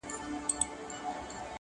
وسله هغه ده چي په لاس کي وي -